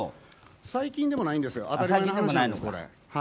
最近でもないんです当たり前の話なんです。